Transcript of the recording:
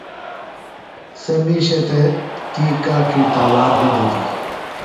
سےۡ مِیشہ تھےۡ تی کاڇی تاوان بی دِتیۡ۔